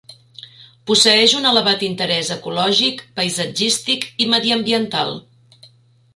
Posseeix un elevat interès ecològic, paisatgístic i mediambiental.